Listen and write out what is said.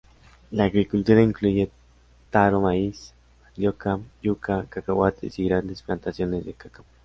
La agricultura incluye taro, maíz, mandioca, yuca, cacahuetes, y grandes plantaciones de cacao.